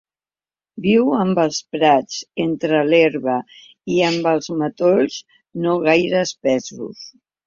Viu en els prats, entre l'herba, i en els matolls no gaire espessos.